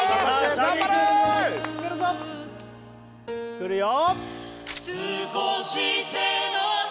くるよ！